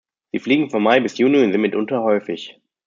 Sie fliegen von Mai bis Juni und sind mitunter häufig.